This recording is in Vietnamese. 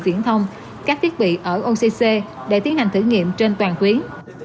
viễn thông các thiết bị ở occ để tiến hành thử nghiệm trên toàn tuyến